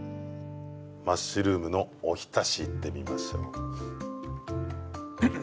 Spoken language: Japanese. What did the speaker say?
マッシュルームのお浸しいってみましょう。